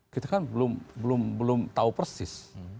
kita kan belum tahu persis